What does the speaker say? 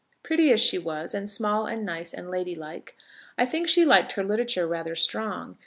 Pretty as she was, and small, and nice, and lady like, I think she liked her literature rather strong.